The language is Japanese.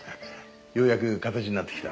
ようやく形になってきた。